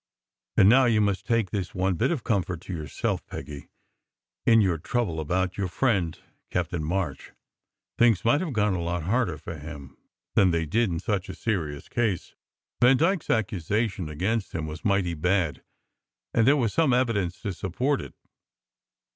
And now you must take this one bit of comfort to yourself, Peggy, in your trouble about your friend Captain March : things might have gone a lot harder for him than they did in such a serious case. Vandyke s accusation against him was mighty bad, and there was some evidence to support it.